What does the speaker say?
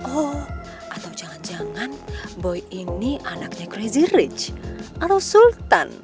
oh atau jangan jangan boy ini anaknya crazy rich atau sultan